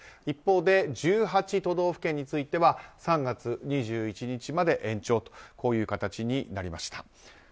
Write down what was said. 一方で１８都道府県については３月２１日まで延長という形になりました。